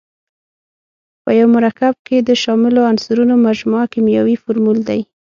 په یو مرکب کې د شاملو عنصرونو مجموعه کیمیاوي فورمول دی.